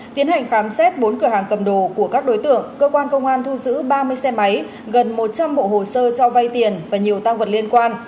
tiến hành khám xét bốn cửa hàng cầm đồ của các đối tượng cơ quan công an thu giữ ba mươi xe máy gần một trăm linh bộ hồ sơ cho vay tiền và nhiều tăng vật liên quan